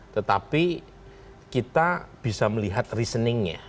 tetapi kita bisa melihat reasoningnya